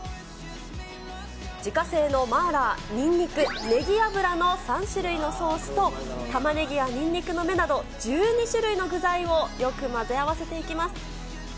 自家製のマーラー、ニンニク、ネギ油の３種類のソースと、タマネギやニンニクの芽など、１２種類の具材をよく混ぜ合わせていきます。